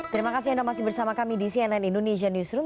terima kasih anda masih bersama kami di cnn indonesia newsroom